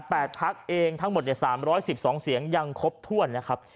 แปดพักเองทั้งหมดเนี่ย๓๑๒เสียงยังครบถ้วนนะครับ